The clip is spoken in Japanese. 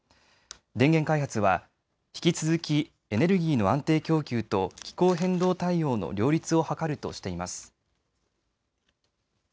電源開発は引き続きエネルギーの安定供給と気候変動対応の両立を図るとしています。